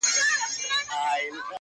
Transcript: خدمت د انسان د شخصیت ښکلا ښيي.